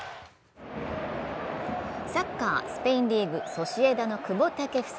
サッカー、スペインリーグソシエダの久保建英。